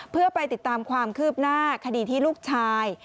เพื่อไปติดตามความคืบหน้าคดีที่ลูกชาย